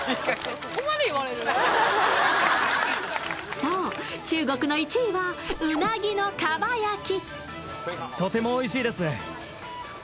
そう、中国の１位はうなぎの蒲焼き。